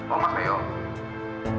oh mas niu